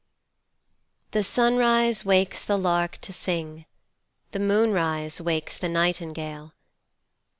The sunrise wakes the lark to sing, The moonrise wakes the nightingale.